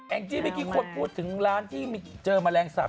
งจี้เมื่อกี้ควรพูดถึงร้านที่เจอแมลงสาป